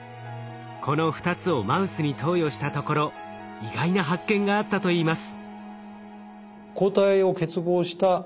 この２つをマウスに投与したところ意外な発見があったといいます。